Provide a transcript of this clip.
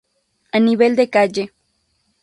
A nivel de calle